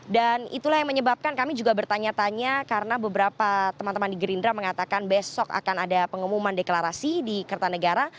dan itulah yang menyebabkan kami juga bertanya tanya karena beberapa teman teman di gerindra mengatakan besok akan ada pengumuman deklarasi di kertanegara